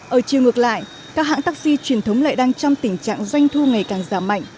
ở chiều ngược lại các hãng taxi truyền thống lại đang trong tình trạng doanh thu ngày càng giảm mạnh